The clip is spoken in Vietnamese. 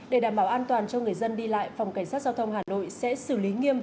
để đảm bảo an toàn cho người dân đi lại phòng cảnh sát giao thông hà nội sẽ xử lý nghiêm